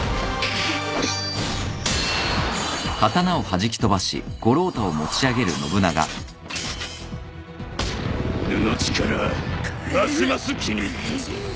うぬの力ますます気に入ったぞ。